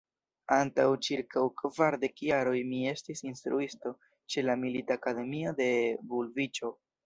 Antaŭ ĉirkaŭ kvardek jaroj mi estis instruisto ĉe la militakademio de Vulviĉo.